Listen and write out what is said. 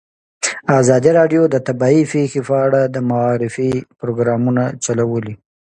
ازادي راډیو د طبیعي پېښې په اړه د معارفې پروګرامونه چلولي.